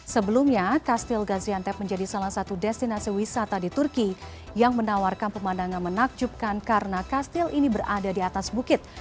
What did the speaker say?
sebelumnya kastil gaziantep menjadi salah satu destinasi wisata di turki yang menawarkan pemandangan menakjubkan karena kastil ini berada di atas bukit